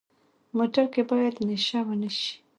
موټر کې باید نشه ونه شي.